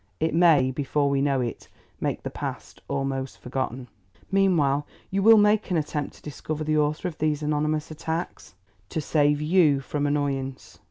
It may, before we know it, make the past almost forgotten." "Meanwhile you will make an attempt to discover the author of these anonymous attacks?" "To save YOU from annoyance."